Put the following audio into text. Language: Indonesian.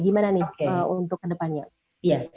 gimana nih untuk ke depannya